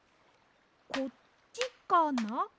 こっちかな？